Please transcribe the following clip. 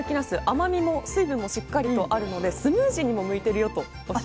甘みも水分もしっかりとあるのでスムージーにも向いてるよとおっしゃっていました。